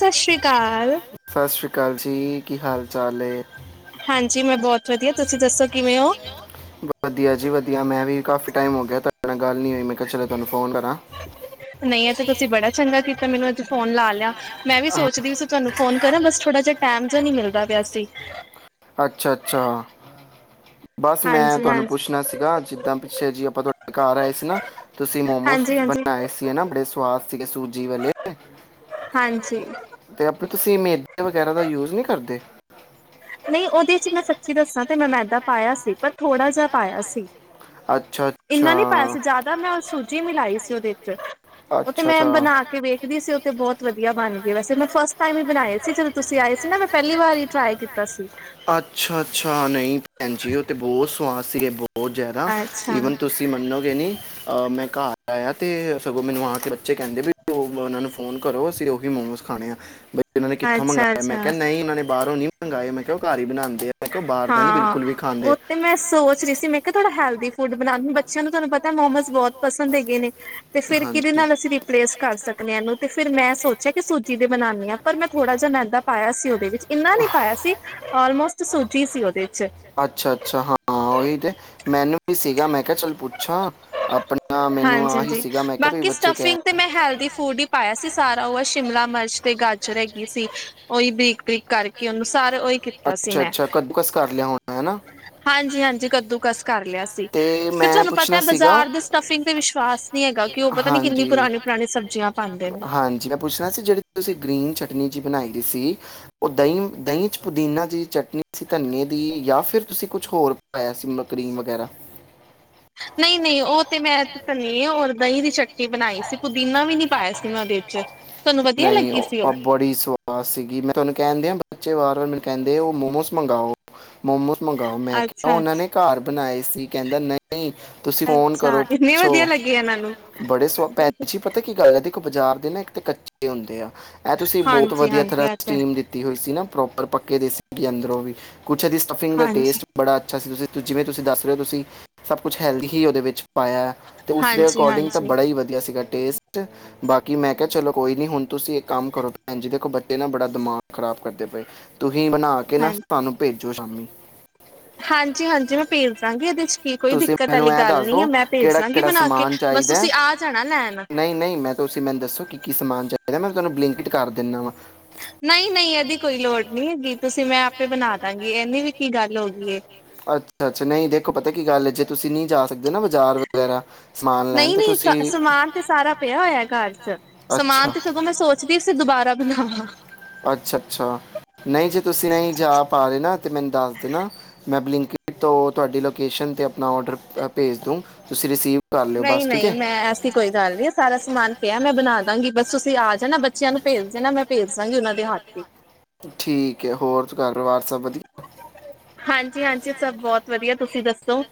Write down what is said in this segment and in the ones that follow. ਸਤਿ ਸ੍ਰੀ ਅਕਾਲ, ਸਤਿ ਸ਼੍ਰੀ ਕੱਲ੍ਹ ਜੀ ਕੀ ਹਾਲ ਚਾਲ ਹੈ। ਹਾਂਜੀ। ਮੈਂ ਬਹੁਤ ਵਧੀਆ ਤੁਸੀਂ ਦੱਸੋ ਕਿਵੇਂ ਔਂ? ਵਧੀਆ ਜੀ ਵਧੀਆ, ਮੈਂ ਵੀ ਕਾਫੀ ਟਾਈਮ ਹੋ ਗਿਆ ਤੁਹਾਡੇ ਨਾਲ ਗੱਲ ਨਹੀਂ ਹੋਈ ਮੈਂ ਕਿਆ ਚੱਲੋ ਤੁਹਾਨੂੰ ਫੋਨ ਕਰਾਂ। ਨਈਂ ਆ ਤਾਂ ਤੁਸੀਂ ਬੜਾ ਚੰਗਾ ਕੀਤਾ ਮੈਨੂੰ ਅੱਜ ਫੋਨ ਲਾ ਲਿਆ ਮੈਂ ਵੀ ਸੋਚਦੀ ਸੀ ਤੁਹਾਨੂੰ ਫੋਨ ਕਰਾਂ ਬਸ ਥੋੜਾ ਜਿਹਾ ਟਾਈਮ ਚ ਨਈਂ ਮਿਲਦਾ ਪਿਆ ਸੀ। ਅੱਛਾ, ਅੱਛਾ। ਬਸ ਮੈਂ ਹਾਂਜੀ ਤੁਹਾਨੂੰ ਹਾਂਜੀ ਪੁੱਛਣਾ ਸੀਗਾ ਜਿੱਦਾਂ ਪਿੱਛੇ ਜੀ ਆਪਾਂ ਤੁਹਾਡੇ ਘਰ ਆਏ ਸੀ ਨਾ ਤੁਸੀਂ ਮੋਮੋਸ ਹਾਂਜੀ ਹਾਂਜੀ ਬਣਾਏ ਸੀ ਨਾ ਬੜੇ ਸਵਾਦ ਸੀਗੇ ਸੂਜੀ ਵੇਲੇ। ਤੇ ਅਤੇ ਆਪਣੇ ਤੁਸੀਂ ਮੇਦੇ ਵਗੈਰਾ ਦਾ ਯੂਜ ਨਹੀਂ ਕਰਦੇ ਨਹੀਂ ਉਹਦੇ ਚ ਮੈਂ ਸੱਚੀ ਦੱਸਾਂ ਤੇ ਮੈਂ ਮੈਦਾ ਪਾਇਆ ਸੀ ਪਰ ਥੋੜ੍ਹਾ ਜਿਹਾ ਪਾਇਆ ਸੀ। ਅੱਛਾ ਅੱਛਾ ਇੰਨਾ ਨੀ ਪਾਇਆ ਸੀ ਜ਼ਿਆਦਾ ਮੈਂ ਉਹ ਸੂਜੀ ਮਿਲਾਈ ਸੀ ਉਹਦੇ ਚ ਵਿੱਚ ਉਹ ਤੇ ਅੱਛਾ ਮੈਂ ਅੱਛਾ ਬਣਾ ਕੇ ਵੇਖਦੀ ਸੀ ਉਹ ਤੇ ਬਹੁਤ ਵਧੀਆ ਬਣ ਗਏ ਵੈਸੇੈਂ ਫਸਟ ਟਾਈਮ ਹੀ ਬਣਾਏ ਸੀ ਜਦੋਂ ਤੁਸੀਂ ਆਏ ਸੀ ਨਾ ਮੈਂ ਪਹਿਲੀ ਵਾਰ ਹੀ ਟਰਾਈ ਕੀਤੀ ਕੀਤਾ ਸੀ ਅੱਛਾ ਅੱਛਾ ਨਹੀਂ ਭੈਣ ਜੀ ਉਹ ਤੇ ਬਹੁਤ ਸਵਾਦ ਸੀਗੇ ਬੋ ਬਹੁਤ ਜ਼ਿਆਦਾ ਅੱਛਾ ਈਵਨ ਤੁਸੀਂ ਮੰਨੋਗੇ ਨੀ ਮੈਂ ਘਰ ਤੇ ਸਗੋਂ ਮੈਨੂੰ ਆ ਕੇ ਬੱਚੇ ਕਹਿੰਦੇ ਵੀ ਉਹਨਾਂ ਨੂੰ ਫੋਨ ਕਰੋ ਅਸੀਂ ਉਹੀ ਮੋਮੋਸ ਖਾਣੇ ਆ ਬ ਉਹਨਾਂ ਨੇ ਕਿੱਥੋਂ ਅੱਛਾ ਮੰਗਇਆ ਮੈਂ ਅੱਛਾ ਕਿਹਾ ਕੀ ਨਹੀਂ ਉਹਨਾਂ ਨੇ ਬਾਹੋਂ ਨੀ ਮੰਗਗਾਏ ਮੈਂ ਮ ਘਰ ਹੀ ਬਣਾਉਂਦੇ ਆ ਮੈਂ ਕਿਹਾ ਉਹ ਬਾਹਰ ਦਾ ਨਹੀਂ ਹਾਂ ਬਿਲਕੁਲ ਵੀ ਉਹ ਖਾਂਦੇ ਤੇ ਮੈਂ ਸੋਚ ਰਹੀ ਸੀ ਮੈਂ ਕਿਹਾ ਥੋੜਾ ਹੈਲਦੀ ਫੂਡ ਬਣਾਉਦੀ ਬੱਚਿਆਂ ਨੂੰ ਤੁਹਾਨੂੰ ਪਤਾ ਮੋਮੋਸ ਬਹੁਤ ਪਸੰਦ ਹੈਗੇ ਨੇ ਤੇ ਫਿਰ ਕਿਹਦੇ ਨਾਲ ਅਸੀਂ ਰਿਪਲੇਸ ਕਰ ਸਕਦੇ ਹਾਂ ਇਹਨੂੰ ਤੇ ਫਿਰ ਮੈਂ ਸੋਚਿਆ ਕਿ ਸੂਜੀ ਦੇ ਬਣਾਉਣ ਦੀ ਹਾਂ ਪਰ ਮੈਂ ਥੋੜ੍ਹਾ ਜਿ ਮੈਦਾ ਪਾਇਆ ਸੀ, ਉਹਦੇ ਵਿੱਚ ਇੰਨਾ ਨਹੀਂ ਪਾਇਆ ਸੀ। ਔਲਮੋਸਟ ਅੱਛਾ ਅੱਛਾ ਹਾਂ ਓਹੀ ਤੇ ਮੈਨੂੰ ਵੀ ਸੀਗਾ ਮੈਂ ਕ ਚਲ ਪੁੱਛਾ ਆਪਣਾ ਮੈਨੂੰ ਹਾਂਜੀ ਆਹੀ ਹਾਂਜੀ ਸੀਗਾ ਮੈਂ ਬਾਕੀ ਬੱਚੇ ਸਟਫਿੰਗ ਤੇ ਮੈਂ ਹੈਲਦੀ ਫੂਡ ਹੀ ਪਾਇਆ ਸੀ ਸਾਰਾ ਉਹ ਸ਼ਿਮਲਾ ਮਿਰਚ ਤੇ ਗਾਜਰ ਹੈਗੀ ਸੀ ਤ ਸੀ ਅੱਛਾ ਮੈਂ ਅੱਛਾ ਕੱਦੂਕਸ ਕਰ ਲਿਆ ਹੋਣਾ ਹੈ ਨਾ ਹਾਂਜੀ ਹਾਂਜੀ ਕੱਦੂ ਕਸ ਕਰ ਲਿਆ ਸੀ ਤੇ ਫਿਰ ਮੈਂ ਤੁਹਾਨੂੰ ਪੁੱਛਣਾ ਪਤਾ ਸੀਗਾ ਬਾਜ਼ਾਰ ਦੇ ਸਟਫਿੰਗ ਤੇ ਵਿਸ਼ਵਾਸ ਨੀ ਹੈਗਾ ਕਿ ਉਹ ਪਤਾ ਨੀ ਕਿੰਨੀ ਹਾਂਜੀ। ਪੁਰਾਣੀ ਪੁਰਾਣੀ ਸਬਜ਼ੀਆਂ ਪਾਾਂਂਦੇ ਨੇ ਟਨੀ ਜੀ ਬਣਾਈ ਦੀ ਸੀ ਉਹ ਦਹੀਂ ਦਹੀਂ ਚ ਪੁਦੀਨਾ ਦੀ ਚਟਨੀ ਸੀ ਧਨੀੇਏ ਦੀ ਜਾਂ ਫਿਰ ਤੁਸੀਂ ਕੁਛ ਹੋਰ ਪਾਇਆ ਸੀ ਮ ਕਰੀਮ ਵਗੈਰਾ ਨਹੀਂ ਨਹੀਂ ਉਹ ਤੇ ਮੈਂ ਕਰਨੀ ਔਰ ਦਹੀਂ ਵਿਚ ਬਣਾਈ ਸੀ ਪੁਦੀਨਾ ਵੀ ਨੀ ਪਾਇਆ ਸੀ ਮੈਂ ਉਹਦੇ ਵਿੱਚ ਤੁਹਾਨੂੰ ਵਧੀਆ ਨਹੀਂ ਲੱਗੀ ਸੀ ਉਹ ਬੜੀ ਸਵਾਦ ਸੀਗੀ ਮੈਂ ਤੁਹਾਨੂੰ ਕਹਿੰਦੇ ਆ ਬੱਚੇ ਵਾਰ ਵਾਰ ਮੈਨੂੰ ਕਹਿੰਦੇ ਉਹ ਮੋਮੋਸ ਮੰਗਵਾਓ ਮੋਮੋਸ ਮੰਗਵਾਓ ਮੈਂ ਕਿਹਾ ਉਹਨਾਂ ਅੱਛਾ-ਅੱਛਾ, ਨੇ ਘਰ ਬਣਾਏ ਸੀ ਕਹਿੰਦਾ ਨਹੀਂ ਤੁਸੀਂ ਫੋਨ ਅੱਛਾ ਕਰੋ ਇੰਨੀ ਪੁੱਛੋ ਵਧੀਆ ਲੱਗੀ ਇਹਨਾਂ ਨੂੰ। ਬੜੇ ਸ ਪਤਾ ਕੀ ਗੱਲ ਐ ਬਾਜ਼ਾਰ ਦੇ ਨਾ ਇੱਕ ਤੇ ਕੱਚੇ ਹੁੰਦੇ ਐ ਇਹ ਤੁਸੀਂ ਬਹੁਤ ਵਧੀਆ ਹਾਂਜੀ-ਹਾਂਜੀ ਤਰ੍ਹਾਂ ਇਹ ਤੇ ਹੈ, ਸਟੀਮ ਦਿੱਤੀ ਹੋਈ ਸੀ ਨਾ। ਪ੍ਰੋਪਰ ਪੱਕੇ ਦੇ ਸੀ ਅੰਦਰੋਂ ਵੀ ਕੁਛ ਦੀ ਸਟਫਿੰਗ ਦਾ ਟੇਸਟ ਹਾਂਜੀ, ਬੜਾ ਅੱਛਾ ਸੀ ਤੁਸੀਂ ਤੁ ਜਿਵੇਂ ਤੁਸੀਂ ਦੱਸ ਰਹੇ ਹੋ ਤੁਸੀਂ ਸਭ ਕੁਛ ਹੈਲਦੀ ਹੀ ਉਹਦੇ ਵਿੱਚ ਪਾਇਆ ਤੇ ਉਸਦੇ ਅਕੋਡਿੰਗ ਤਾਂ ਹਾਂਜੀ-ਹਾਂਜੀ। ਬੜਾ ਹੀ ਵਧੀਆ ਸ ਬਾਕੀ ਮੈਂ ਕਿਹਾ ਚਲੋ ਕੋਈ ਨੀ ਹੁਣ ਤੁਸੀਂ ਇੱਕ ਕੰਮ ਕਰੋ ਭੈਣ ਜੀ ਦੇਖੋ ਬੱਚੇ ਨਾ ਬੜਾ ਦਿਮਾਗ ਖ਼ਰਾਬ ਕਰਦੇ ਪਏ ਤੁਸੀਂ ਬਣਾ ਕੇ ਨਾ ਸਾਨੂੰ ਭੇਜੋ ਜੋ ਸ਼ਾਮੀ ਹਾਂਜੀ ਹਾਂਜੀ ਮੈਂ ਭੇਜ ਦਾਂਗੀ ਇਹਦੇ ਚ ਕੀ ਕੋਈ ਤੁਸੀਂ ਦਿੱਕਤ ਆਲੀ ਮੈਨੂੰ ਇਹ ਗੱਲ ਦੱਸ ਨੀ ਐ ਦੋ ਮੈਂ ਭੇਜ ਕਿਹੜਾ ਦਾਂਗੀ ਕਿਹੜਾ ਬਣਾ ਕੇ ਸਮਾਨ ਬਸ ਚਾਹੀਦਾ ਤੁਸੀਂ ਆ ਜਾਣਾ ਲੈਣ। ਨਹੀਂ ਨਹੀਂ ਮੈਂ ਤੁਸੀਂ ਮੈਨੂੰ ਦੱਸੋ ਕਿ ਕੀ ਸਮਾਨ ਚਾਹੀਦਾ ਮੈਂ ਤੁਹਾਨੂੰ ਬਲਿੰਕਿਟ ਕਰ ਦਿੰਦਾ ਵਾਂ ਨਹੀਂ ਨਹੀਂ ਇਹਦੀ ਕੋਈ ਲੋੜ ਨਹੀਂ ਹੈਗੀ ਤੁਸੀਂ ਮੈਂ ਆਪੇ ਬਣਾ ਦਾਂਗੀ ਇਹਨੀ ਵੀ ਕੀ ਗੱਲ ਹੋ ਗਈ ਏ। ਅੱਛਾ ਅੱਛਾ ਨਹੀਂ ਦੇਖੋ ਪਤਾ ਤਾਂ ਕੀ ਗੱਲ ਹੈ ਜੇ ਤੁਸੀਂ ਨਹੀਂ ਜਾ ਸਕਦੇ ਨਾ ਬਾਜ਼ਾਰ ਵਗੈਰਾ ਸਮਾਨ ਲੈਣ ਨਹੀਂ ਤੇ ਤੁਸੀਂ ਨਹੀਂ ਸਮਾਨ ਤੇ ਸਾਰਾ ਪਿਆ ਹੋਇਆ ਘਰ ਚ ਅੱਛਾ ਸਮਾਨ ਤੇ ਸਗੋਂ ਮੈਂ ਸੋਚਦੀ ਸੀ ਦੁਬਾਰਾ ਬਣਾਵਾਂ ਨਾ ਅੱਛਾ ਅੱਛਾ ਨਹੀਂ ਜੇ ਤੁਸੀਂ ਨਹੀਂ ਜਾ ਪਾ ਰਹੇ ਨਾ ਤੇ ਮੈਨੂੰ ਦੱਸ ਦੇਣਾ ਮੈਂ ਬਲਿੰਕਿਟ ਤੋਂ ਤੁਹਾਡੀ ਲੋਕੇਸ਼ਨ ਤੇ ਆਪਣਾ ਔਡਰ ਭੇਜ ਦੂੰ ਤੁਸੀਂ ਰਿਸੀਵ ਕਰ ਲਿਓ ਨਹੀਂ ਬਸ ਠੀਕ ਹੈ ਨਹੀਂ ਮੈਂ ਐਸੀ ਕੋਈ ਗੱਲ ਨਹੀਂ ਸਾਰਾ ਸਮਾਨ ਪਿਆ ਮੈਂ ਬਣਾ ਦਾਂਗੀ ਬਸ ਤੁਸੀਂ ਆ ਜਾਣਾ ਬੱਚਿਆਂ ਨੂੰ ਭੇਜ ਦੇਣਾ ਮੈਂ ਭੇਜ ਦਾਂਗੀ ਉਹਨਾਂ ਦੇ ਹੱਥ ਹੀ ਠੀਕ ਹੈ ਹੋਰ ਘਰ ਪਰਿਵਾਰ ਸਭ ਵਧੀਆ ਜੀ ਹਾਂਜੀ ਸਭ ਬਹੁਤ ਵਧੀਆ ਤੁਸੀਂ ਦੱਸੋ।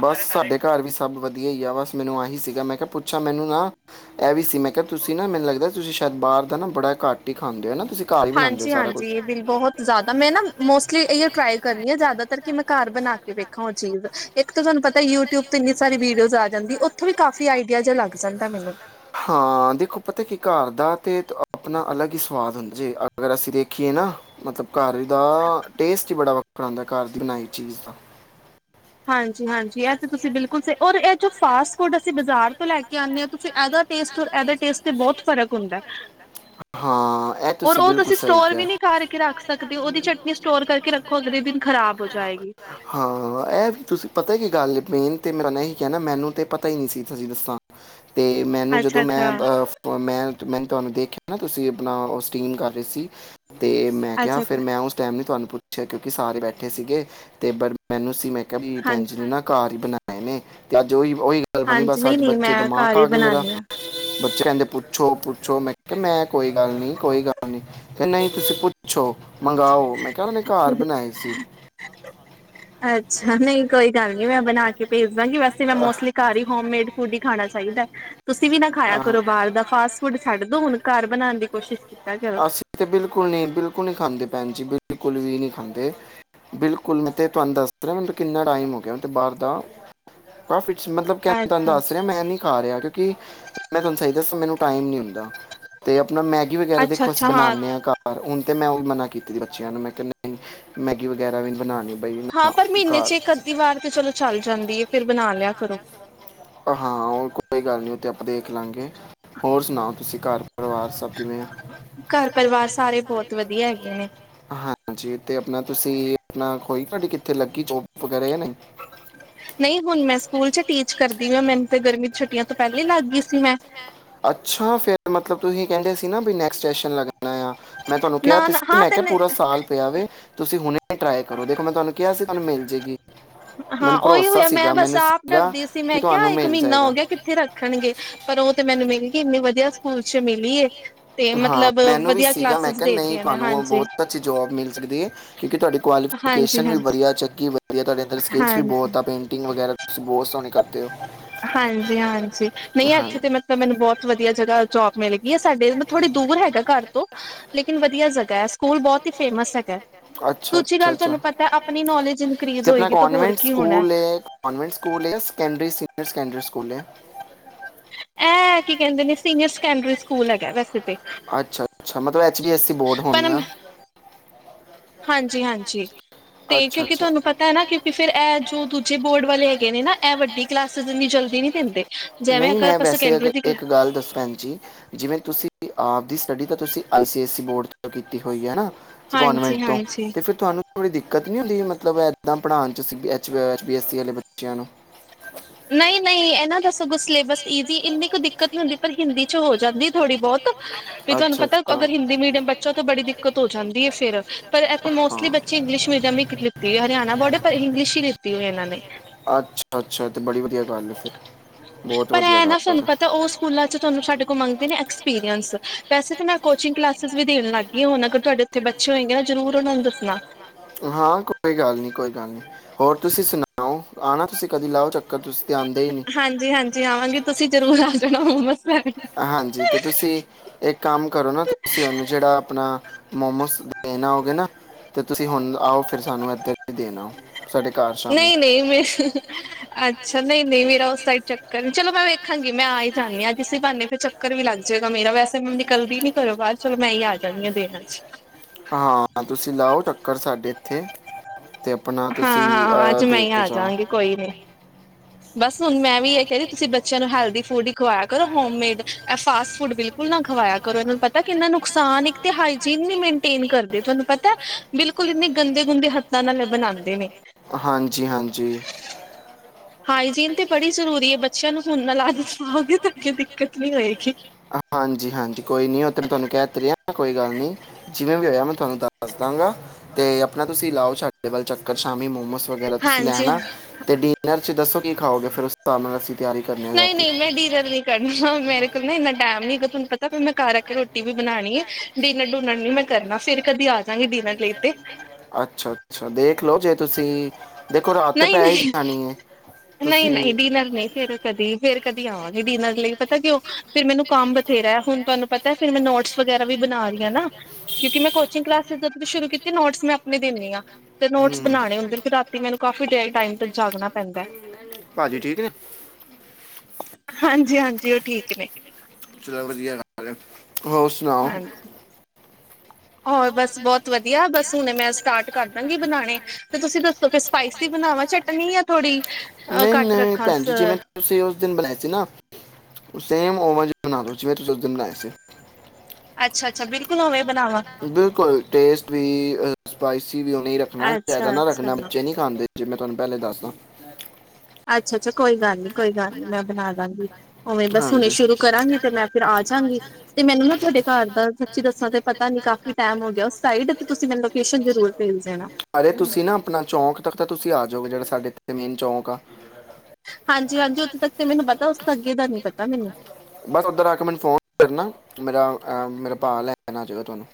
ਬਸ ਸਾਡੇ ਘਰ ਵੀ ਸਭ ਵਧੀਆ ਹੀ ਈ ਆ ਬਸ ਮੈਨੂੰ ਆਹੀ ਸੀਗਾ ਮੈਂ ਕਿਹਾ ਪੁੱਛਿਆ ਮੈਨੂੰ ਨਾ ਇਹ ਵੀ ਸੀ ਮੈਂ ਕਿਹਾ ਤੁਸੀਂ ਨਾ ਮੈਨੂੰ ਲੱਗਦਾ ਤੁਸੀਂ ਸ਼ਾਇਦ ਬਾਹਰ ਦਾ ਨਾ ਬੜਾ ਘੱਟ ਹੀ ਖਾਂਦੇ ਹੋ ਨਾ ਤੁਸੀਂ ਘਰ ਹੀ ਬਣਾਉਂਦੇ ਹੋ ਹਾਂਜੀ ਸਾਰਾ ਕੁਝ ਹਾਂਜੀ ਇਹ ਬਿਲ ਬਹੁਤ ਜ਼ਿਆਦਾ ਮੈਂ ਨਾ ਮੋਸਟਲੀ ਇਹ ਟਰਾਈ ਕਰਨੀ ਆ ਜ਼ਿਆਦਾਤਰ ਕਿ ਮੈਂ ਘਰ ਬਣਾ ਕੇ ਵੇਖੋ ਉਹ ਚੀਜ਼ ਇੱਕ ਤਾਂ ਤੁਹਾਨੂੰ ਪਤਾ ਯੂਟਿਊਬ ਤੇ ਇੰਨੀ ਸਾਰੀ ਵੀਡੀਓਸ ਜਾਂਦਾ ਮੈਨੂੰ। ਹਾਂ ਦੇਖੋ ਪਤਾ ਕੀ ਕਰ ਦਾ ਤੇ ਆਪਣਾ ਅਲੱਗ ਹੀ ਸਵਾਦ ਹੁੰਦਾ ਜੇ ਅਗਰ ਅਸੀਂ ਦੇਖੀਏ ਨਾ ਮਤਲਬ ਘਰ ਦਾ ਟੇਸਟ ਹੀ ਬੜਾ ਵੱਖਰਾ ਆਉਦਾ ਘਰ ਦੀ ਬਣਾਈ ਚੀਜ਼ ਦਾ ਹਾਂਜੀ ਹਾਂਜੀ ਐ ਤੇੇ ਤੁਸੀਂ ਬਿਲਕੁਲ ਸਹੀ ਔਰ ਇਹ ਜੋ ਫਾਸਟ ਫੂੱਡ ਅਸੀਂ ਬਾਜ਼ਾਰ ਤੋਂ ਲੈ ਕੇ ਆਉਂਦੇ ਹਾਂ ਤੁਸੀਂ ਐਦਾ ਟੇਸਟ ਤੇ ਓਦੇ ਟੇਸਟ ਦਾ ਬਹੁਤ ਫਰਕ ਹੁੰਦਾ ਹਾਂ ਏ ਹਾਂ ਇਹ ਹੈ ਉਹ ਤੁਸੀਂ ਸਟੋਰ ਵੀ ਨਹੀਂ ਕਰਕੇ ਰੱਖ ਸਕ ਦਿਨ ਖ਼ਰਾਬ ਹੋ ਜਾਏਗੀ। ਹਾਂ ਇਹ ਵੀ ਤੁਸੀਂ ਪਤਾ ਕੀ ਗੱਲ ਏ ਮੇਨ ਤੇ ਮੇਰਾ ਨੇ ਇਹੀ ਕਹਿਣਾ ਮੈਨੂੰ ਤੇ ਪਤਾ ਹੀ ਨਹੀਂ ਸੀ ਤੁਸੀਂ ਦੱਸਾਂ ਅਤੇ ਮੈਨੂੰ ਜਦੋਂ ਮੈਂ ਅੱਛਾ-ਅੱਛਾ, ਮੈਂ ਮੈ ਤੁਹਾਨੂੰ ਦੇਖਿਆ ਹੈ ਨਾ ਤੁਸੀਂ ਆਪਣਾ ਉਹ ਸਟੀਮ ਕਰ ਰਹੇ ਸੀ ਤੇ ਮੈਂ ਕਿਹਾ ਫਿਰ ਅੱਛਾ-ਅੱਛਾ ਮੈਂ ਉਸ ਟਾਈਮ ਨ ਤੁਹਾਨੂੰ ਪੁੱਛਿਆ ਕਿਉਂਕਿ ਸਾਰੇ ਬੈਠੇ ਸੀਗੇ ਤੇ ਪਰ ਮੈਨੂੰ ਸੀ ਮੈਂ ਭੈਣ ਹਾਂਜੀ। ਜੀ ਨੇ ਨਾ ਘਰ ਹੀ ਬਣਾ ਐਵੇ ਤੇ ਅੱਜ ਓਹੀ ਉਹੀ ਗੱਲ ਬਣੀ ਹਾਂਜੀ ਬੱਸ ਅੱਜ ਨਹੀਂ-ਨਹੀਂ ਬੱਚੇ ਮੈਂ ਦਿਮਾਗ ਘਰ ਹੀ ਖਾ ਗਏ ਮੇਰਾ ਬਣਾਨੀ ਆ। ਬੱਚੇ ਕਹਿੰਦੇ ਪੁੱਛੋ- ਪੁੱਛੋ, ਮੈਂ -ਮੈਂ ਕੋਈ ਗੱਲ ਨਹੀਂ ਕੋਈ ਗੱਲ ਨੀ ਤੇ ਨਹੀਂ ਤੁਸੀਂ ਪੁ ਪੁੱਛੋ ਮੰਗਾਓ ਮੈਂ ਕਿਆ ਉਹਨਾਂ ਨੇ ਘਰ ਬਣਾਈ ਸੀ। ਅੱਛਾ ਨਹੀਂ, ਕੋਈ ਗੱਲ ਨੀ ਮੈਂ ਬਣਾ ਕੇ ਭੇਜਦਾਂਗੀ, ਵੈਸੇ ਮੈਂ ਆਹ। ਮੋਸਟਲੀ ਘਰ ਹੀ ਹੋਮੇਡ ਫੂਡ ਹੀ ਖਾਣਾ ਚਹੀਦਾ। ਤੁਸੀਂ ਵੀ ਨਾ ਖਾਇਆ ਕਰੋ ਬਾਹਰ ਦਾ ਫਾਸਟ ਫੂਡ ਛੱਡ ਦੋ ਹੁਣ ਘਰ ਬਣਾਉਣ ਦੀ ਕੋਸ਼ਿਸ਼ ਕੀਤਾ ਕਰੋ। ਅਸੀਂ ਤੇ ਬਿਲਕੁਲ ਨਹੀਂ ਬਿਲਕੁਲ ਨਹੀਂ ਖਾਂਦੇ ਭੈਣ ਜੀ ਬਿਲਕੁਲ ਵੀ ਨੀ ਖਾਂਦੇ ਬਿਲਕੁਲ ਮੈਂ ਤੇ ਤੁਹਾਨੂੰ ਦੱਸ ਰਿਹਾ ਮੈ ਕਿੰਨਾ ਟਾਈਮ ਹੋ ਗਿਆ ਬਾਹਰ ਦਾ ਕਾਫੀ ਮਤਲਬ ਕਹਿ ਤੁਹਾਨੂੰ ਅੱਛਾ, ਦੱਸ ਰਿਹਾ ਮੈਂ ਨੀ ਖਾ ਰਿਹਾ ਕਿਉਂਕਿ ਮੈਂ ਤੁਹਾਨੂੰ ਸਹੀ ਦੱਸਾਂ ਮੈਨੂੰ ਟਾਈਮ ਨੀ ਹੁੰਦ ਤੇ ਆਪਣਾ ਮੈਗੀ ਵਗੈਰਾ ਦੇਖੋ ਅਸੀਂ ਅੱਛਾ-ਅੱਛਾ ਹਾਂ। ਬਣਾਣੇ ਆਂ ਘਰ ਹੁਣ ਤੇ ਮੈਂ ਉਹ ਮਨਾ ਕੀਤੀ ਬੱਚਿਆਂ ਨੂੰ ਮੈਂ ਕਹਿ ਮੈਗੀ ਵਗੈਰਾ ਵੀ ਬਣਾਣੀ ਹਾਂ ਪਰ ਮਹੀਨੇ ਚ ਇੱਕ ਅੱਧੀ ਵਾਰ ਤੇ ਚਲੋ ਚੱਲ ਜਾਂਦੀ ਏ, ਫਿਰ ਬਣਾ ਲਿਆ ਕਰੋ। ਹਾਂ ਉਹ ਕੋਈ ਗੱਲ ਨਹੀਂ ਉਹ ਤੇ ਆਪਾਂ ਦੇਖ ਲਾਂਗੇ ਹੋਰ ਸੁਣਾਓ ਤੁਸੀਂ ਘਰ ਪਰਿਵਾਰ ਸਭ ਕਿਵੇਂ ਆ। ਘਰ ਪਰਿਵਾਰ ਸਾਰੇ ਬਹੁਤ ਵਧੀਆ ਹੈਗੇ ਨੇ। ਹਾਂਜੀ ਤੇ ਆਪਣਾ ਤੁਸੀਂ ਆਪਣਾ ਕੋਈ ਤੁਹਾਡੀ ਕਿੱਥੇ ਲੱਗੀ ਜੋਬ ਵਗੈਰਾ ਨਹੀਂ। ਨਹੀਂ ਹੁਣ ਮੈਂ ਸਕੂਲ ਚ ਟੀਚ ਕਰਦੀ ਆਂ, ਮੈਨੂੰ ਤੇ ਗਰਮੀ ਚ ਛੁੱਟੀਆਂ ਤੋਂ ਪਹਿਲਾਂ ਹੀ ਲੱਗ ਗਈ ਸੀ। ਸੀ ਮੈਂ ਅੱਛਾ ਫੇਰ ਮਤਲਬ ਤੁਸੀਂ ਕਹਿੰਦੇ ਸੀ ਨਾ ਨੈਕਸ ਸੈਸ਼ਨ ਲਗਣਾ। ਮੈਂ ਤੁਹਾਨੂੰ ਕਿਹਾ ਤੁ ਨਾ-ਨਾ ਹਾਂ ਮੈਂ ਕਿਹਾ ਤੇ ਪੂਰਾ ਸਾਲ ਪਿਆ ਵੇ ਤੁਸੀਂ ਹੁਣੇ ਟਰਾਈ ਕਰੋ ਦੇਖੋ ਮੈਂ ਤੁਹਾਨੂੰ ਕਿਹਾ ਸੀ ਤੁਹਾਨੂੰ ਮਿਲ ਜੇਗੀ। ਹਾਂ ਮੈਨੂੰ ਉਹੀ ਭਰੋਸਾ ਹੋਇਆ ਮੈਂ ਸੀਗਾ ਬਸ ਮੈਨੂੰ ਆਪ ਸੀਗਾ ਡਰਦੀ ਸੀ ਕਿ ਮੈਂ ਕਿਆ ਤੁਹਾਨੂੰ ਇੱਕ ਮਿਲ ਮਹੀਨਾ ਹੋ ਜਾਏਗਾ ਗਿਆ ਕਿੱਥੇ ਰੱਖਣਗੇ ਪਰ ਉਹ ਤੇ ਮੈਨੂੰ ਮੇਰੀ ਇੰਨੀ ਵਧੀਆ ਸਕੂਲ ਚ ਮਿਲੀਏ। ਹਾਂ ਮੈਨੂੰ ਵੀ ਸੀਗਾ ਮੈਂ ਕਿਹਾ ਨਹੀਂ ਦੇਤੀਆਂ ਨੇ ਤੁਹਾਨੂੰ ਹਾਂਜੀ ਬਹੁਤ ਅੱਛੀ ਜੋਬ ਮਿਲ ਸਕਦੀ ਐ, ਕਿਉਂਕਿ ਤੁਹਾਡੀੇ ਹਾਂਜੀ ਕੁਆਲੀਫਿਕੇਸ਼ਨ ਵੀ ਹਾਂਜੀ ਵਧੀਆ ਚੱਕੀ ਵਧੀਆ ਤੁਹਾਡੇ ਅੰਦਰ ਸਕਿੱਲਸ ਵੀ ਹਾਂਜੀ ਬਹੁਤ ਆ ਪੇਂਟਿੰਗ ਵਗੈਰਾ ਤੁਸੀਂ ਬਹੁਤ ਸੋਹਨੇ ਘਰ ਹਾਂਜੀ -ਹਾਂਜੀ। ਨਹੀਂ ਇਥੇ ਮਤਲਬ ਮੈਨੂੰ ਬਹੁਤ ਵਧੀਆ ਜਗਾਂ ਜੋਬ ਮਿਲ ਗਈ ਸਾਡੇ ਥੋੜੀ ਦੂਰ ਹੈਗਾ ਘਰ ਤੋਂ ਲੇਕਿਨ ਵਧੀਆ ਜਗਾਂ ਐ ਸਕੂਲ ਬਹੁਤ ਫੇਮਸ ਹੈਗਾ, ਅੱਛਾ ਦੂਜੀ ਅੱਛਾ ਗੱਲ ਅੱਛਾ ਤੁਹਾਨੂੰ ਪਤਾ ਆਪਣੀ ਨੋਲੇਜ ਇਨਕ੍ਰੀਜ਼ ਤੇ ਆਪਣਾ ਹੋਏਗੀ ਹੋਰ ਕਨਵੈਂਟ ਕੀ ਹੋਣਾ। ਸਕੂਲ ਹੈ ਕਨਵੈਂਟ ਸਕੂਲ ਹੈ ਜਾਂ ਸੈਕੰਡਰੀ ਸੀਨੀਅਰ ਸੈਕੰਡਰੀ ਸਕੂਲ ਏ। ਇਹ ਕੀ ਕਹਿੰਦੇ ਨੇ ਸੀਨੀਅਰ ਸੈਕੰਡਰੀ ਸਕ ਸਕੂਲ ਹੈਗਾ ਬਸ। ਅੱਛਾ -ਅੱਛਾ ਮਤਲਬ ਐਚ ਬੀ ਐਸਸੀ ਬੋਰਡ ਹੋਣੀ ਪਰ ਆ। ਹਾਂਜੀ, ਹਾਂਜੀ। ਤੇ ਅੱਛਾ ਕਿਉਂਕਿ ਅੱਛਾ ਤੁਹਾਨੂੰ ਪਤਾ ਏ ਨਾ ਕਿਉਂਕਿ ਫੇਰ ਇਹ ਜੋ ਦੂਜੇ ਬੋਰਡ ਵਾਲੇ ਹੈਗੇ ਨੇ ਨਾ ਇਹ ਵੱਡੀ ਕਲਾਸਿਸ ਇੰਨੀ ਜਲਦੀ ਨੀ ਦੇਂਦੇ। ਨਹੀਂ ਮੈਂ ਵੈਸੇ ਅਗ ਇੱਕ ਗੱਲ ਦੱਸ ਪੈਨਜੀ। ਜਿਵੇਂ ਤੁਸੀਂ ਈ ਆਪ ਦੀ ਸਟੱਡੀ ਤਾਂ ਤੁਸੀਂ ਆਈ ਸੀ ਐਸ ਈ ਬੋਰਡ ਤੋ ਕੀਤੀ ਹੋਈ ਏ ਨਾਂ। ਕੌਨਮੈਂਟ ਹਾਂਜੀ ਤੋਂ ਹਾਂਜੀ ਤੇ ਫੇਰ ਤੁਹਾਨੂੰ। ਥੋੜ੍ਹੀ ਦਿੱਕਤ ਨੀ ਹੁੰਦੀ, ਮਤਲਬ ਏਦਾਂ ਪੜ੍ਹਾਨ ਚ ਸੀ ਐਚ ਬੀ ਅ ਐੱਸ ਸੀ ਵਾਲੇ ਬੱਚਿਆਂ ਨੂੰ। ਨਹੀਂ, ਨਹੀਂ। ਨਾ ਦਸ ਅਗੋਂ ਸਿਲੇਬਸ ਈਜੀ ਇੰਨੀ ਕੁ ਦਿੱਕਤ ਨੀ ਹੁੰਦੀ ਪਰ ਹਿੰਦੀ ਚ ਹੋ ਜਾਂਦੀ ਏ ਥੋੜ੍ਹੀ ਬੋਤ। ਵੀ ਤੁਹਾਨੂੰ ਅੱਛਾ, ਪਤਾ ਅੱਛਾ। ਅਗਰ ਹਿੰਦੀ ਮੀਡੀਅਮ ਬੱਚਾ ਤੋਂ ਬੜੀ ਦਿੱਕਤ ਹੋ ਜਾਂਦੀ ਏ ਫੇਰ ਪਰ ਇਥੇ ਮੋਸਟਲੀ ਬੱਚੇ ਹਾਂ। ਇੰਗਲਿਸ਼ ਮੀਡੀਅਮ ਹੀ ਲਿੱਤੀ ਏ। ਹਰਿਆਣਾ ਬੋਰਡ ਏ ਪਰ ਇੰਗਲਿਸ਼ ਈ ਲਿੱਤੀ ਹੋਈ ਇਹਨਾਂ ਨੇ। ਅੱਛਾ ਅੱਛਾ ਤੇ ਬੜੀ ਵਧੀਆ ਗੱਲ ਹੈ ਫਿਰ ਬਹੁਤ ਪਰ ਵਧੀਆ ਇਹ ਗੱਲ ਨਾ ਸਾਨੂੰ ਹੈ ਪਤਾ ਉਹ ਸਕੂਲਾਂ ਚ ਤੁਹਾਨੂੰ ਸਾਡੇ ਕੋਲ ਮੰਗਦੇ ਨੇ ਐਕ੍ਸ ਪੀਰੀਐਂਸ ਵੈਸੇ ਤੇ ਮੈਂ ਕੋਚਿੰਗ ਕਲਾਸਿਸ ਵੀ ਦੇਨ ਲੱਗ ਗਈ ਆਂ ਹੁਨ। ਹਾਂ, ਕੋਈ ਗੱਲ ਨੀ ਕੋਈ ਗੱਲ ਨੀ। ਹੋਰ ਤੁਸੀਂ ਸੁਨਾਓ। ਆਣਾ ਤੁਸੀਂ ਕਦੀ ਲਉ ਚੱਕ। ਹਾਂਜੀ, ਹਾਂਜੀ ਆਵਾਂਗੇ ਤੁਸੀਂ ਜ਼ਰੂਰ ਆ ਜਾਨਾ ਹੁਨ ਬਸ ਮੈਂ। ਹਾਂਜੀ ਤੇ ਤੁਸੀਂ ਇੱਕ ਕੰਮ ਕਰੋ ਨਾ ਤੁਸੀਂ ਉਹਨੂੰ ਜਿਹੜਾ ਆਪਨਾ। ਮੋਮੋਸ ਦੇਨ ਆਉਗੇ ਨਾ, ਤੇ ਤੁਸੀਂ ਹੁਨ ਆਓ ਫੇਰ ਸਾਨੂੰ ਇੱਥਰ ਵੀ ਦੇਨ ਆੳ। ਨਹੀਂ, ਨਹੀਂ ਮੇ, ਅੱਛਾ ਨਹੀਂ, ਨਹੀਂ ਮੇਰਾ ਉਸ ਟਾਇਮ ਚੱਕਰ ਚਲੋ ਮੈਂ ਵੇਖ ਖਾਂਗੀ ਮੈਂ ਆ ਈ ਜਾਨੀ ਆ। ਇਸੀ ਬਾਨੇ ਫੇਰ ਚੱਕਰ ਵੀ ਲੱਗ ਚਲੋ ਮੇਰਾ ਵੈਸੇ ਹੁਨ ਨਿਕਲਦੀ ਨੀ ਘਰੋਂ ਬਾਹਰ ਚਲੋ ਮੈਂ ਈ ਆ ਜਾਂਨੀ ਆ ਦੇਣ ਅੱਜ। ਹਾਂ ਤੁਸੀਂ ਲਾਓ ਟੱਕਰ ਸਾਡੇ ਇੱਥੇ ਤੇ ਆਪਨਾ ਤੁਸੀਂ। ਹਾਂ, ਅਹ, ਅੱਜ ਮੈਂ ਦੇ ਈ ਕੇ ਆ ਜਾਓ ਜਾਂਗੀ ਕੋਈ ਨੀ। ਬਸ ਹੁਨ ਮੈਂ ਵੀ ਇਹ ਕਹਿ ਰੀ ਤੁਸੀਂ ਬੱਚਿਆਂ ਨੂੰ ਹੈਲਦੀ ਫੂਡ ਹੀ ਖਵਾਇਆ ਕਰੋ ਹੋਮ ਮੇਡ। ਇਹ ਫਾਸਟ ਫੂਡ ਬਿਲਕੁਲ ਨਾ ਖਵਾਆ ਕਰੋ ਇਹਨਾਂ ਨੂੰ ਪਤਾ ਕਿਹਨਾਂ ਨੂੰ ਨੁਕਸਾਨ ਇੱਕ ਤੇ ਹਾਈਜੀਨ ਨੀ ਮੇਨਟੇਨ ਕਰਦੇ ਤੁਹਾਨੂੰ ਪਤਾਏ। ਬਿਲਕੁਲ ਇੰਨੇ ਗੰਦੇ ਗੂੰਦੇ ਹੱਥਾਂ ਨਾਲ ਏ ਬਨਾਂਦੇ ਨੇ। ਹਾਂਜੀ ਹਾਂਜੀ ਹਾਈਜੀਨ ਤੇ ਬੜੀ ਜ਼ਰੂਰੀ ਏ। ਬੱਚਿਆਂ ਨੂੰ ਹੁਣ ਨਾਲ ਆਦਤ ਪਾਓਗੇ ਤਾਂ ਅੱਗੇ ਦਿੱਕਤ ਨਹੀਂ ਹੋਏਗੀ। ਹਾਂਜੀ, ਹਾਂਜੀ ਕੋਈ ਨੀ ਉਹ ਤੇ ਮੈ ਤੁਹਾਨੂੰ ਕਹਿ ਤੇ ਰਿਹਾ ਕੋਈ ਗੱਲ ਨੀ। ਜਿਵੇਂ ਵੀ ਹੋਇਆ ਮੈਂ ਤੁਹਾਨੂੰ ਦੱਸ ਦਾਂਗਾ ਤੇ ਆਪਣਾ ਤੁਸੀਂ ਲਾਓ ਸਾਡੇ ਵੱਲ ਚੱਕਰ ਸ਼ਾਮੀ ਮੋਮੋਸ ਵਗੈਰਾ ਤੁਸੀਂ ਹਾਂਜੀ ਲੈਣਾ ਹਾਂ ਤੇ ਡਿਨਰ ਚ ਦੱਸੋ। ਕੀ ਖਾਓਗੇ ਫੇਰ ਉਸ ਹਿਸਾਬ ਨਾਲ ਅਸੀਂ ਤਿਆਰੀ ਕਰਨੇ ਆ ਨਹੀਂ ਰਾਤੀ ਨਹੀਂ ਮੈਂ ਡੀਨਰ ਨੀ ਕਰਨਾ ਮੇਰੇ ਕੋਲ ਨਾ ਇੰਨਾ ਮੇਰਾ ਹੈਗਾ ਟਾਈਮ ਨੀ ਤੁਹਾਨੂੰ ਪਤਾ ਫਿਰ ਬਿਲਕੁਲ ਮੈਂ ਘਰ ਆ ਕੇ ਰੋਟੀ ਵੀ ਹੈ ਬਣਾਉਣੀ ਡਿਨਰ ਡੁਨਰ ਦੇਖਲੋ ਨੀ ਨਾਲੇ ਕਰਨਾ ਮੈਂ ਫਿਰ ਫੇਰ ਕਦੀ ਆ ਕਦੇ ਜਾਗੀ ਆਜਾ ਗੀ ਡਿਨਰ ਲਈ ਮਿਲਣ ਤੇ ਕਿਤੇ ਅੱਛਾ ਅੱਛਾ ਦੇਖਲੋ। ਤੁਸੀਂ ਦੇਖੋ ਰਾਤ ਤੇ ਪੈ ਹੀ ਜਾਨੀ ਹੈ। ਤੁਸੀਂ ਨਹੀਂ-ਨਹੀਂ ਡਿਨਰ ਨਹੀਂ ਫੇਰ ਕਦੀ ਫੇਰ ਕਦੀ ਆਵਾਂਗੇ ਡਿਨਰ ਲਈ। ਪਤਾ ਕਿਓ ਫੇਰ ਮੈਨੂ ਕੰਮ ਬਥੇਰਾ ਹੈ ਹੁਣ ਤੁਹਾਨੂੰ ਪਤਾ ਫਿਰ ਮੈਂ ਨੋਟਸ ਵਗੈਰਾ ਵੀ ਬਣਾ ਰਹੀ ਹਾਂ ਨਾ ਕਿਉਂਕਿ ਮੈਂ ਕੋਚਿੰਗ ਕਲਾਸ ਜਦ ਦੀ ਸ਼ੁਰੂ ਕੀਤੀ ਨੋਟਸ ਮੈਂ ਆਪਣੇ ਦੇਨੀ ਆਂ, ਤੇ ਨੋਟਸ ਹੂੰ ਬਣਾਣੇ ਹੁੰਦੇ ਫੇਰ ਰਾਤੀ ਮੈਨੂ ਕਾਫੀ ਦੇਰ ਟਾਈਮ ਤਕ ਜਾਗਣਾ ਪੈਂਦੈ। ਭਾਜੀ ਠੀਕ ਨੇ। ਹਾਂਜੀ-ਹਾਂਜੀ ਉਹ ਠੀਕ ਨੇ। ਚਲੋ ਵਧੀਆ ਗੱਲ ਐ। ਹੋਰ ਸੁਣਾਓ। ਹਾਂਜੀ ਹੋਰ ਬਸ ਬਹੁਤ ਵਧੀਆ ਬਸ ਹੁਣੇ ਮੈਂ ਸਟਾਰਟ ਕਰ ਦਾਂਗੀ ਬਣਾਣੇ ਤੇ ਤੁਸੀਂ ਦੱਸੋ ਫਿਰ ਸਪਾਈਸੀ ਬਣਾਵਾਂ ਚਟਨੀ ਜਾਂ ਥੋੜ੍ਹੀ ਅਹ ਨਹੀਂ ਘੱਟ ਨਹੀਂ ਰੱਖਾਂ ਭੈਣ ਸ ਜੀ ਜਿਵੇਂ ਤੁਸੀਂ ਉਸ ਦਿਨ ਬਣਾਏ ਸੀ ਨਾ ਸੇਮ ਓਵੇ ਜੇ ਬਨਾ ਦੋ ਜਿਵੇਂ ਤੁਸੀ ਉਸ ਦਿਨ ਬਨਾਏ ਸੀ। ਅੱਛਾ ਅੱਛਾ ਬਿਲਕੁਲ ਉਵੇਂ ਬਣਾਵਾਂ ਬਿਲਕੁਲ ਟੇਸਟ ਵੀ ਸਪਾਈਸ ਵੀ ਉਵੇਂ ਹੀ ਰੱਖਣਾ ਜ਼ਿਆਦਾ ਅੱਛਾ ਨਾ ਰੱਖਣਾ ਅੱਛਾ ਬੱਚੇ ਨੀ ਖਾਂਦੇ। ਜੇ ਮੈਂ ਤੁਹਾਨੂੰ ਪਹਿਲੇ ਦੱਸਦਾ। ਅੱਛਾ-ਅੱਛਾ ਕੋਈ ਗੱਲ ਨੀ ਕੋਈ ਗੱਲ ਨੀ ਮੈਂ ਬਨਾ ਦਾਂਗੀ ਉਵੇਂ ਬਸ ਹੁਣੇ ਹਾਂਜੀ ਸ਼ੁਰੂ ਕਰਾਂਗੀ ਤੇ ਮੈਂ ਫਿਰ ਆ ਜਗੀ ਤੇ ਮੈਨੂੰ ਨਾ ਤੁਹਾਡੇ ਘਰ ਦਾ ਸੱਚੀ ਦੱਸਾਂ ਤੇ ਪਤਾ ਨੀ ਕਾਫ਼ੀ ਟੈਮ ਹੋ ਗਿਆ ਉਸ ਸਾਈਡ ਤੁਸੀਂ ਮੈਨੂੰ ਲੋਕੇਸ਼ਨ ਜ਼ਰੂਰ ਭੇਜ ਦੇਣਾ ਅਰੇ ਤੁਸੀਂ ਨਾ ਆਪਣਾ ਚੌਂਕ ਤੱਕ ਤਾਂ ਤੁਸੀਂ ਆ ਜਾਓਗੇ ਜਿਹੜਾ ਸਾਡੇ ਇੱਥੇ ਮੇਨ ਚੌਂਕ ਆ। ਹਾਂਜੀ-ਹਾਂਜੀ ਉੱਥੇ ਤੱਕ ਤੇ ਮੈਨੂੰ ਪਤਾ ਉਸ ਤੋਂ ਅੱਗੇ ਦਾ ਨੀ ਪਤਾ ਮੈਨੂੰ ਬਸ ਓਧਰ ਆ ਕੇ ਮੈਨੂੰ ਫੋਨ ਕਰਨਾ ਮੇਰਾ ਮੇਰਾ ਭਾਅ ਲੈਣ ਆ ਜਾਵੇਗਾ ਤੁਹਾਨੂੰ।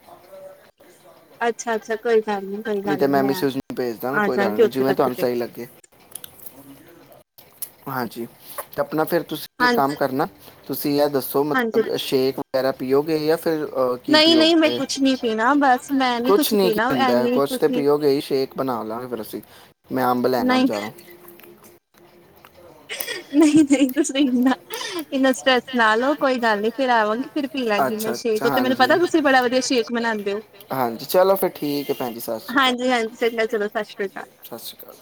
ਅੱਛ ਅੱਛਾ-ਅੱਛਾ ਕੋਈ ਗੱਲ ਨੀ, ਕੋਈ ਨਹੀਂ ਗੱਲ ਤੇ ਨੀ ਮੈਂ ਮਿਸਿਸ ਨੂੰ ਭੇਜ ਦਾਂਗਾ ਕੋਈ ਆਜਾ ਗੱਲ ਆਜਗੀ ਨਹੀਂ ਓਥੇ ਜਿਵੇਂ ਤੱਕ ਤੁਹਾਨੂੰ ਤੇ। ਸਹੀ ਲੱਗੇ ਹਾਂਜੀ ਤੇ ਆਪਣਾ ਫਿਰ ਤੁਸੀਂ ਇੱਕ ਕੰਮ ਹਾਂਜੀ ਕਰਨਾ ਤੁਸੀਂ ਯ ਦੱਸੋ ਹਾਂਜੀ ਮਤਲਬ ਸ਼ੇਕ ਵਗੈਰਾ ਪੀਓਗੇ ਯਾ ਫਿਰ ਅਹ, ਕੀ ਨਹੀਂ-ਨਹੀਂ ਮੈਂ ਪੀਓਗੇ ਕੁਛ ਨੀ ਪੀਣਾ ਬਸ ਮੈਂ ਨਹੀਂ ਕੁਛ ਕੀ ਪੀਣਾ ਹੁੰਦਾ ਹੈ ਏਨੀ ਕੁਛ ਤੇ ਤੁਸੀਂ ਪੀਓਗੇ ਹੀ ਸ਼ੇਕ ਬਣਾ ਲਾਂਗੇ ਫੇਰ ਅਸੀ। ਮੈਂ ਅੰਬ ਲੈ ਆਨਾ ਨਹੀਂ ਬਜ਼ਾਰੋ। ਨਹੀਂ-ਨਹੀਂ ਕੁਛ ਨੀ ਪੀਣਾਂ ਇੰਨਾ ਟੈਸਟ ਕਰਾਲਓ ਕੋਈ ਗੱਲ ਨਹੀ। ਫਿਰ ਆਵਾਗੀ ਫਿਰ ਪੀ ਲਾਂਗੀ ਮੈਂ ਅੱਛਾ ਸ਼ੇਕ ਅੱਛਾ ਉਥ ਮੈਨੂੰ ਪਤਾ ਹਾਂਜੀ ਤੁਸੀਂ ਬੜਾ ਵਧੀਆ ਸ਼ੇਕ ਮਨਾਉਦੇ ਹੋ ਹਾਂਜੀ ਚਲੋ ਫਿਰ ਠੀਕ ਹੈ ਭੈਣ ਜੀ ਸਤਿ ਸ਼੍ਰੀ ਅਕਾਲ ਹਾਂਜੀ- ਹਾਂਜੀ ਚਲੋ ਸਤਿ ਸ੍ਰੀ ਅਕਾਲ। ਸਤਿ ਸ਼੍ਰੀ ਅਕਾਲ